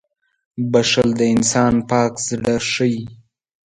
• بښل د انسان پاک زړه ښيي.